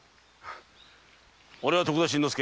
俺は徳田新之助